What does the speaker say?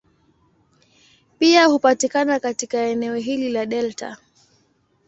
Pia hupatikana katika eneo hili la delta.